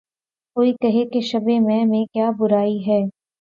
کوئی کہے کہ‘ شبِ مہ میں کیا برائی ہے